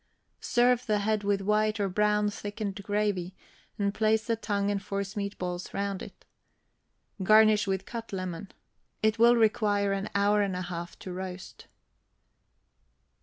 Serve the head with white or brown thickened gravy, and place the tongue and forcemeat balls round it. Garnish with cut lemon. It will require one hour and a half to roast.